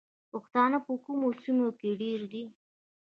پښتانه په کومو سیمو کې ډیر دي؟